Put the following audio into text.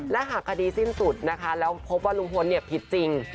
และหากคดีสิ้นสุดนะคะแล้วพบว่าลุงพลผิดจริง